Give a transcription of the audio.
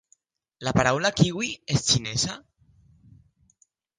La paraula kiwi és xinesa?